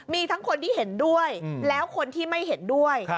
มีทั้งคนที่เห็นด้วยแล้วคนที่ไม่เห็นด้วย